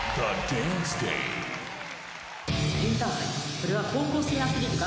それは高校生アスリートが